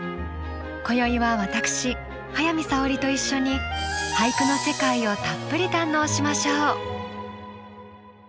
今宵は私早見沙織と一緒に「俳句」の世界をたっぷり堪能しましょう。